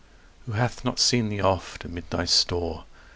Who hath not seen thee oft amid thy store?